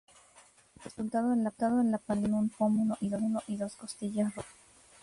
El resultado de la paliza fueron un pómulo y dos costillas rotas.